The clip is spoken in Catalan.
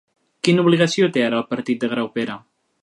Quina obligació té ara el partit de Graupera?